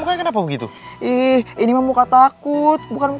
ini ahmad takut bukan bingung